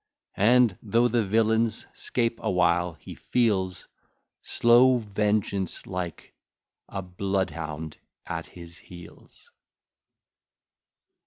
And though the villain'scape a while, he feels Slow vengeance, like a bloodhound, at his heels.